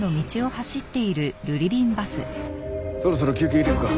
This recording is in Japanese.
そろそろ休憩入れるか。